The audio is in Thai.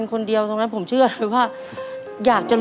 อเรนนี่ต้องมีวัคซีนตัวหนึ่งเพื่อที่จะช่วยดูแลพวกม้ามและก็ระบบในร่างกาย